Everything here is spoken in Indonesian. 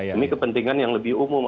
demi kepentingan yang lebih umum